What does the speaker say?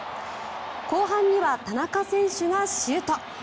後半には田中選手がシュート！